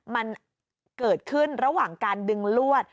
มันเกิดขึ้นระหว่างการดึงลวด